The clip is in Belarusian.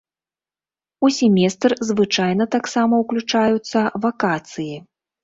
У семестр звычайна таксама ўключаюцца вакацыі.